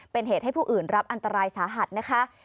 เป็นเหตุให้ผู้อื่นรับอันตรายสาหัสนะคะ